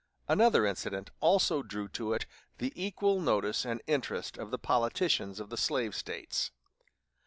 Another incident also drew to it the equal notice and interest of the politicians of the slave States.